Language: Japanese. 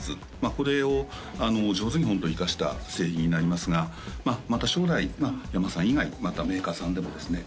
これを上手にホント生かした製品になりますがまた将来ヤマハさん以外またメーカーさんでもですね